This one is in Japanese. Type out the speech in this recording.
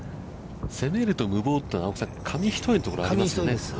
攻めると無謀というのは、紙一重のところがありますね。